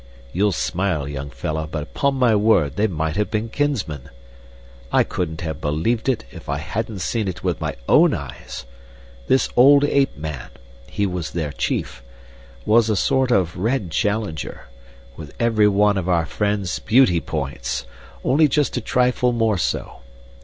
You'll smile, young fellah, but 'pon my word they might have been kinsmen. I couldn't have believed it if I hadn't seen it with my own eyes. This old ape man he was their chief was a sort of red Challenger, with every one of our friend's beauty points, only just a trifle more so.